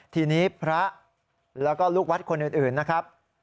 ทีนี้พระแล้วก็ลูกวัดคนอื่นนะครับ